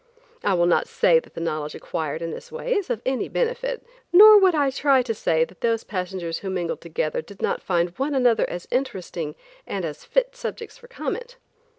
I will not say that the knowledge acquired in that way is of any benefit, nor would I try to say that those passengers who mingled together did not find one another as interesting and as fit subjects for comment.